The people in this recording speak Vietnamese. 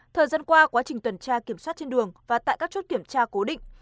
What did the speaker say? thời gian qua quá trình tuần tra kiểm soát trên đường và tại các chốt kiểm tra cố định